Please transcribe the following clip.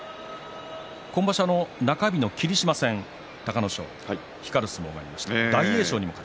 今場所は中日の霧島戦隆の勝、光る相撲がありました。